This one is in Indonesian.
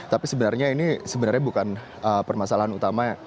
tapi sebenarnya ini sebenarnya bukan permasalahan utama